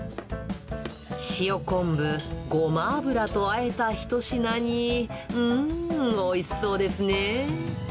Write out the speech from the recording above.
塩昆布、ごま油とあえた一品に、うーん、おいしそうですね。